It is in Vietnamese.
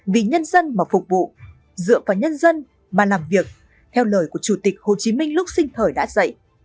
vì nhân dân mà phục vụ dựa vào nhân dân mà làm việc theo lời của chủ tịch hồ chí minh lúc sinh thời đã dạy